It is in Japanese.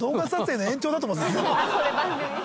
あこれ番組？